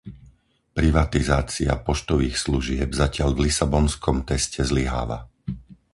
Privatizácia poštových služieb zatiaľ v lisabonskom teste zlyháva.